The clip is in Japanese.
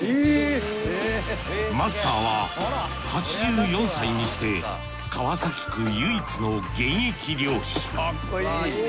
マスターは８４歳にして川崎区唯一の現役漁師。